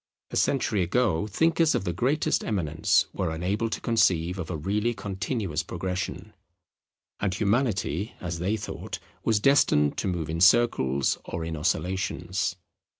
A century ago, thinkers of the greatest eminence were unable to conceive of a really continuous progression; and Humanity, as they thought, was destined to move in circles or in oscillations.